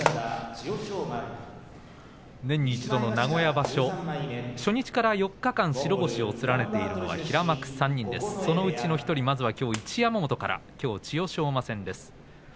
年に一度の名古屋場所初日から４日間白星を連ねているのは平幕３人ですね、そのうちの１人まずはきょうは一山本からきょうは千代翔馬戦です。